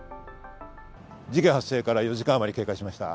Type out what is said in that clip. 事件発生から４時間あまりが経過しました。